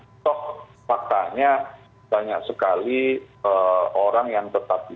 nah tok faktanya banyak sekali orang yang tetap di